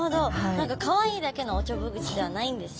何かかわいいだけのおちょぼ口ではないんですね。